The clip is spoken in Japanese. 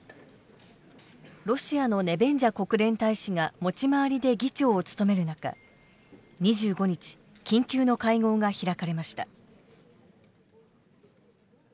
ロシアのネベンジャ国連大使が持ち回りで議長を務める中２５日緊急の会合が開かれました。